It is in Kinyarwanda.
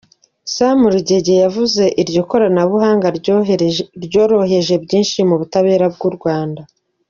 Sam Rugege, yavuze iryo koranabuhanga ryoroheje byinshi mu butabera bw’u Rwanda.